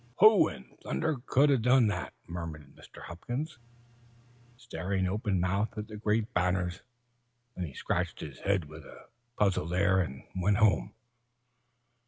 _" "Who in thunder could 'a' done that?" murmured Mr. Hopkins, staring open mouthed at the great banners. Then he scratched his head with a puzzled air and went home.